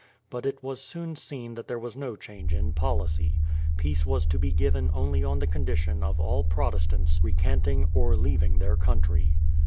But it was soon seen that there was no change in policy. Peace was to be given only on the condition of all Protestants recanting or leaving their country.